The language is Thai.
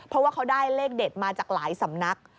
เพราะว่าเขาได้เลขเด็ดมาจากหลายสำนัก